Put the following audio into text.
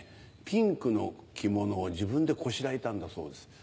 ピンクの着物を自分でこしらえたんだそうです。